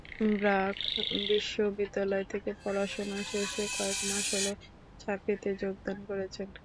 ব্র্যাক বিশ্ববিদ্যালয় থেকে পড়াশোনা শেষে কয়েক মাস হলো চাকরিতে যোগদান করেছেন।